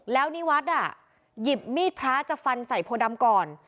แล้วนิวัฒน์หยิบมีดพระจะฟันใส่โพดำก่อน